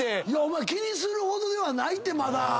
気にするほどではないってまだ！